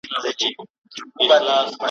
نه په کتاب کي وه چا لوستلي ,